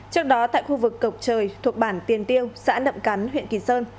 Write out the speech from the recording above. trước đó tại khu vực cộc trời thuộc bản tiền tiêu xã nậm cắn huyện kỳ sơn